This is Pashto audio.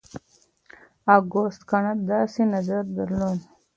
اګوست کنت داسې نظر درلود.